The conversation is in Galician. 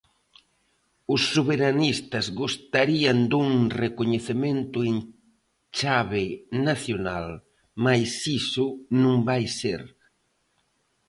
Os soberanistas gostarían dun recoñecemento en chave 'nacional', mais iso non vai ser.